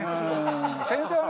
先生はね